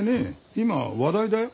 今話題だよ。